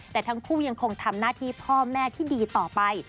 แต่ทั้งคู่ยังคงทำหน้าที่พ่อแม่ที่ดีต่อไป